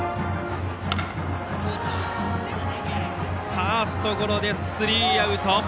ファーストゴロでスリーアウト。